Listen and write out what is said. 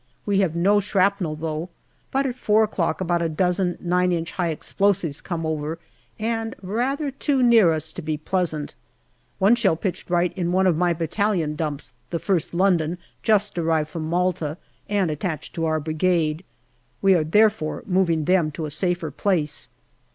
We have no shrapnel, though, but at four o'clock about a dozen 9 inch high explosives come over, and rather too near us to be pleasant. One shell pitched right in one of my battalion dumps, the ist London, just arrived from Malta, and attached to our Brigade. We are therefore moving them to a safer place.